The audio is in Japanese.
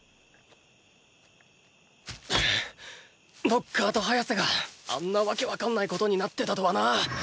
ノッカーとハヤセがあんな訳わかんないことになってたとはな。